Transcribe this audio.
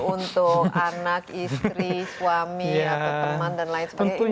untuk anak istri suami atau teman dan lain sebagainya